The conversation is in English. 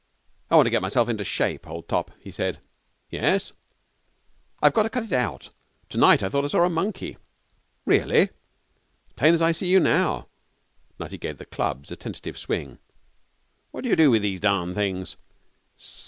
'I want to get myself into shape, old top,' he said. 'Yes?' 'I've got to cut it out to night I thought I saw a monkey.' 'Really?' 'As plain as I see you now.' Nutty gave the clubs a tentative swing. 'What do you do with these darned things?